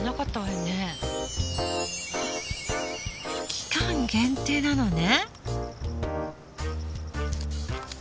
期間限定なのね。